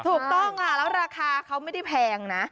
ถูกต้องค่ะแล้วราคาเขาไม่ได้แพงนะ